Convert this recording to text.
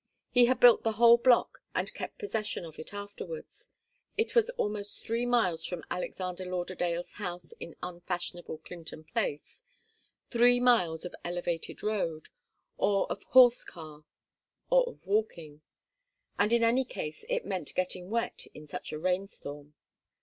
He had built the whole block and had kept possession of it afterwards. It was almost three miles from Alexander Lauderdale's house in unfashionable Clinton Place three miles of elevated road, or of horse car or of walking and in any case it meant getting wet in such a rain storm.